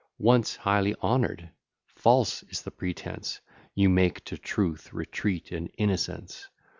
Once highly honoured! false is the pretence You make to truth, retreat, and innocence!